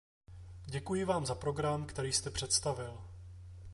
Děkuji vám za program, který jste představil.